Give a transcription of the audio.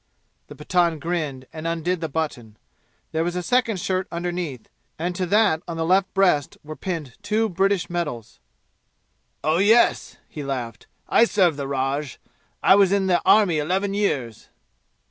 The Pathan grinned, and undid the button. There was a second shirt underneath, and to that on the left breast were pinned two British medals. "Oh, yes!" he laughed. "I served the raj! I was in the army eleven years."